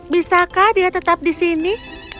bisakah dia tetap di sini